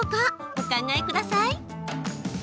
お考えください。